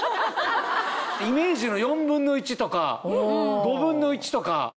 イメージの４分の１とか５分の１とか。